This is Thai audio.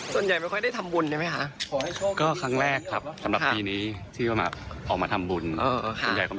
ส่วนใหญ่ไม่ค่อยได้ทำบุญใช่ไหมคะ